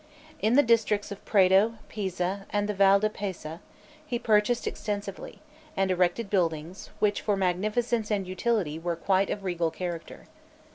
In the districts of Prato, Pisa, and the Val di Pesa, he purchased extensively, and erected buildings, which for magnificence and utility, were quite of regal character.